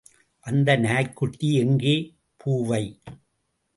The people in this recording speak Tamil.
அந்த நாய்க்குட்டி எங்கே பூவை.